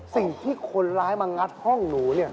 สิ่งที่คนร้ายมางัดห้องหนูเนี่ย